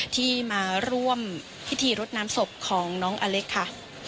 ที่มาร่วมพิธีรดน้ำศพของน้องอเล็กค่ะ